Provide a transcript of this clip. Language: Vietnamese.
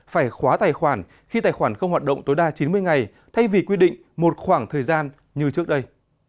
phải khóa tài khoản khi tài khoản không hoạt động tối đa chín mươi ngày thay vì quy định một khoảng thời gian như trước đây